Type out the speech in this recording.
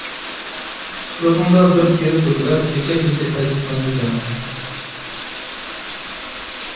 تۇپرىقىڭدا بىخ يېرىپ كۆكلەپ، چېچەكلىدى ئەزىز تەندە جان.